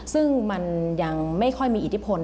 ซึ่งมันยังไม่ค่อยมีอิทธิพล